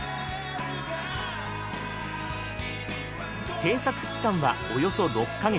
製作期間はおよそ６か月。